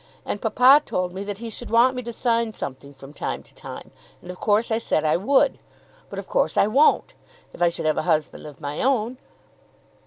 And papa told me that he should want me to sign something from time to time; and of course I said I would. But of course I won't, if I should have a husband of my own."